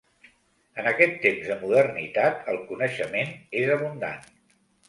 En aquest temps de modernitat, el coneixement és abundant.